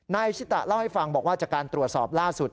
ชิตะเล่าให้ฟังบอกว่าจากการตรวจสอบล่าสุด